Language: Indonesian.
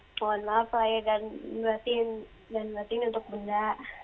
mohon maaf lah ya dan berarti untuk bunda